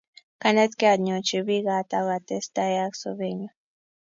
Kwanetkey anyochipik kaat ak atestai ak sobennyu